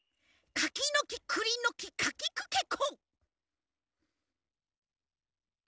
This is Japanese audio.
かきのきくりのきかきくけこ！